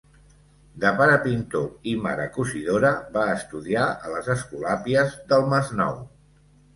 De pare pintor i mare cosidora, va estudiar a les Escolàpies del Masnou.